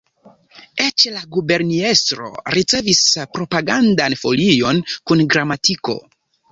Eĉ la guberniestro ricevis propagandan folion kun gramatiko.